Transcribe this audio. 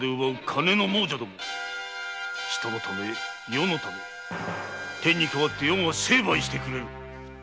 人のため世のため天に代わって余が成敗してくれる！